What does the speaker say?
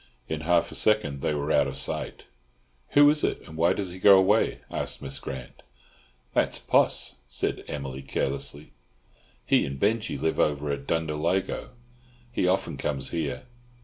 In half a second they were out of sight. "Who is it? and why does he go away?" asked Miss Grant. "That's Poss," said Emily carelessly. "He and Binjie live over at Dunderalligo. He often comes here.